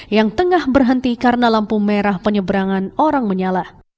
yang tengah berhenti karena lampu merah penyeberangan orang menyala